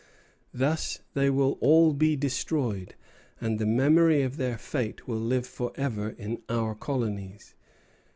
Thus they will all be destroyed, and the memory of their fate will live forever in our colonies....